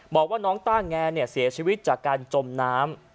บอกว่าน้องต้าแงเสียชีวิตจากการจมน้ำ